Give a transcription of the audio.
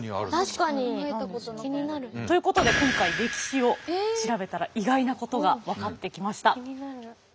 考えたことなかった。ということで今回歴史を調べたら意外なことが分かってきました。